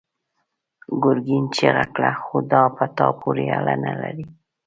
ګرګين چيغه کړه: خو دا په تا پورې اړه نه لري!